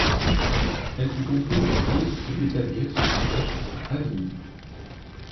Clément fut contraint de fuir et d'établir son siège à Avignon.